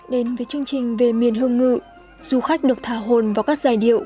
đến với chương trình về miền hương ngự du khách được thả hồn vào các giai điệu